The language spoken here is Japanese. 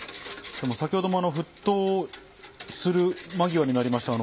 先ほども沸騰する間際になりました